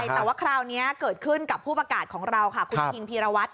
แต่ว่าคราวนี้เกิดขึ้นกับผู้ประกาศของเราค่ะคุณคิงพีรวัตร